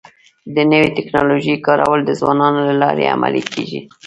د نوې ټکنالوژۍ کارول د ځوانانو له لارې عملي کيږي.